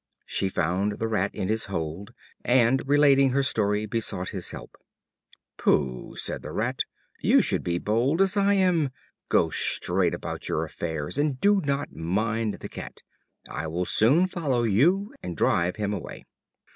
She found the Rat in his hole and relating her story, besought his help. "Pooh!" said the Rat, "You should be bold as I am; go straight about your affairs, and do not mind the Cat. I will soon follow you, and drive him away."